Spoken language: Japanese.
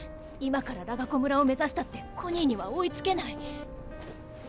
今からラガコ村を目指したってコニーには追いつけない。